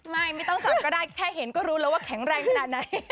ไม่ต้องจับก็ได้แค่เห็นก็รู้แล้วว่าแข็งแรงขนาดไหน